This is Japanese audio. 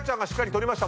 捕りました。